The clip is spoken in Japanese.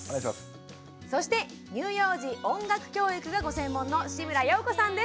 そして乳幼児音楽教育がご専門の志村洋子さんです。